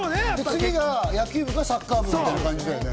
次が野球部かサッカー部みたいな感じだよね。